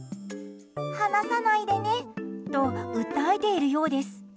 離さないでねと訴えているようです。